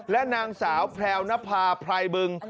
และนางสาวแพรวนภาพไรบึง